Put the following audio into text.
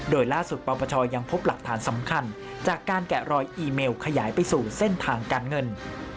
โดยล่าสุดปปชยังพบหลักฐานสำคัญจากการแกะรอยอีเมลขยายไปสู่เส้นทางการเงิน